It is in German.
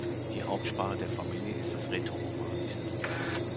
Die Hauptsprache der Familie ist das Rätoromanische.